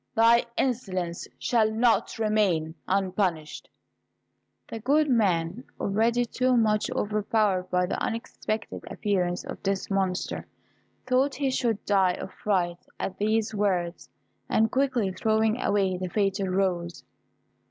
Thy insolence shall not remain unpunished." The good man, already too much overpowered by the unexpected appearance of this monster, thought he should die of fright at these words, and quickly throwing away the fatal rose.